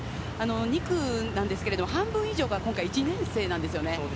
２区なんですけれども、半分以上が１年生なんですよね。